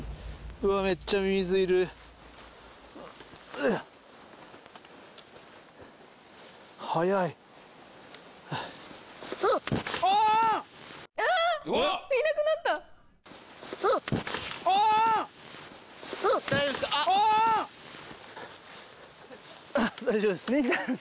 うわぁっあっ大丈夫です